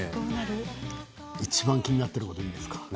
いちばん気になっていることいいですか？